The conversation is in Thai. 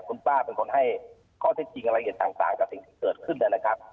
คุณป้าเป็นคนให้ข้อเท็จจริงรายละเอียดต่างกับสิ่งที่เกิดขึ้นนะครับ